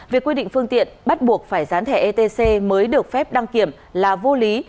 việc quy định phương tiện bắt buộc phải rán thẻ etc mới được phép đăng kiểm là vô lý